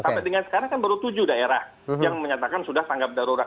sampai dengan sekarang kan baru tujuh daerah yang menyatakan sudah tanggap darurat